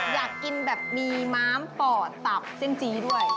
อยากกินแบบมีม้ามป่อตับเส้นจี้ด้วย